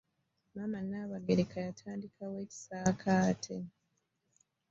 Maama Nabagereka yatandikawo ekisakate.